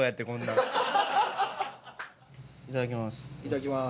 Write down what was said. いただきます。